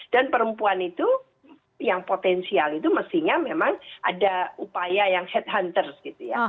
dan perempuan itu yang potensial itu mestinya memang ada upaya yang headhunter gitu ya